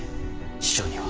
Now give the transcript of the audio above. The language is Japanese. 師匠には。